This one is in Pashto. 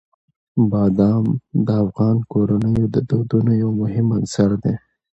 بادام د افغان کورنیو د دودونو یو مهم عنصر دی.